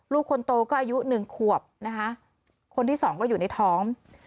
ลูกคนโตก็อายุหนึ่งขวบนะคะคนที่สองก็อยู่ในท้อง